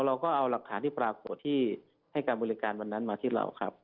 เราก็เอาหลักฐานที่ปรากฏที่ให้การบริการวันนั้นมาที่เราครับ